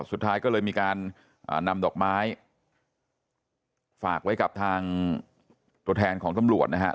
สุดท้ายก็เลยมีการนำดอกไม้ฝากไว้กับทางตัวแทนของตำรวจนะฮะ